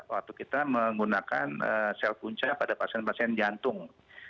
waktu kita menggunakan sel punca pada pasien pasien jantung